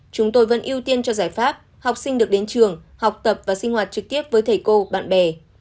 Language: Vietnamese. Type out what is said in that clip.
chúng tôi vẫn ưu tiên cho giải pháp học sinh được đến trường học tập và sinh hoạt trực tiếp với thầy cô bạn bè